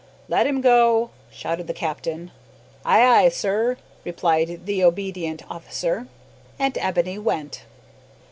"Let him go!" shouted the captain. "Ay, ay, sir," replied the obedient officer. And Ebony went!